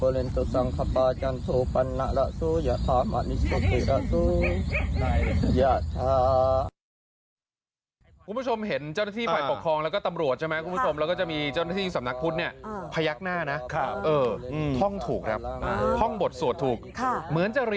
ลองท่องดิให้พรให้พร